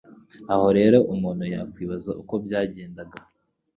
Aha rero umuntu yakwibaza uko byagendaga